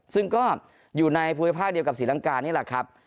ซึ่งก็อยู่ในภูมิภาคเดียวกับศรีลังกานี่แหละครับ